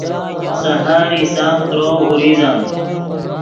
سحر ایسَمۡ ترؤ اوریزم